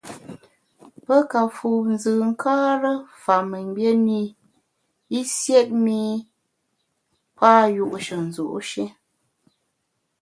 Pe ka fu nzùnkare fa mengbié ne i, i siét mi pa yu’she nzu’ shi.